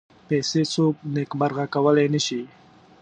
پیسې څوک نېکمرغه کولای نه شي.